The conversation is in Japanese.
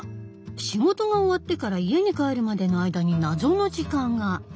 仕事が終わってから家に帰るまでの間に謎の時間が！